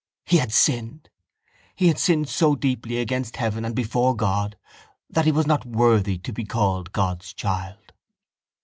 He had sinned. He had sinned so deeply against heaven and before God that he was not worthy to be called God's child.